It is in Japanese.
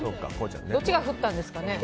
どっちが振ったんですかね。